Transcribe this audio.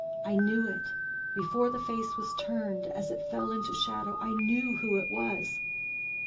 I knew it—before the face was turned, as it fell into shadow, I knew who it was.